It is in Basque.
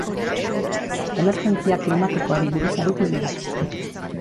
Emergentzia klimatikoari buruz aritu dira.